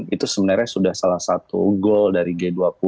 itu sebenarnya sudah salah satu goal dari g dua puluh